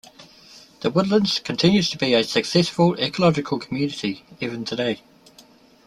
The Woodlands continues to be a successful ecological community even today.